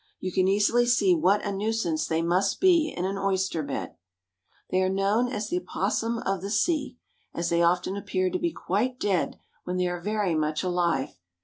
You can easily see what a nuisance they must be in an oyster bed. They are known as the opossum of the sea, as they often appear to be quite dead when they are very much alive.